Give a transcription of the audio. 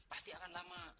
pasti akan lama